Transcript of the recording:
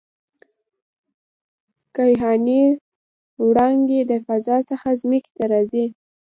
کیهاني وړانګې د فضا څخه ځمکې ته راځي.